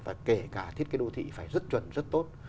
và kể cả thiết kế đô thị phải rất chuẩn rất tốt